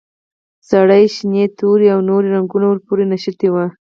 سرې، شنې، تورې او نورې رنګونه ور پورې نښتي وو.